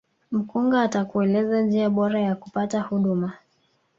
mkunga atakueleza njia bora ya kupata huduma